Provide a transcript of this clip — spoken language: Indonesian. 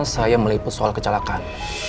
saya meliput soal kecelakaan